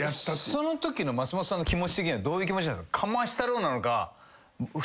そのときの松本さんの気持ち的にはどういう気持ちなんですか？